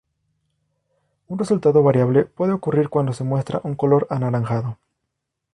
Un resultado variable puede ocurrir cuando se muestra un color anaranjado.